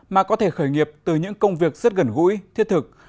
mà có thể khởi nghiệp từ những công việc rất gần gũi thiết thực